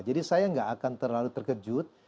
jadi saya gak akan terlalu terkejut